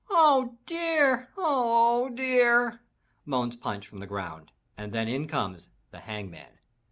"Oh dear! Oh dear!" moans Punch, from the ground and then in comes the Hangman.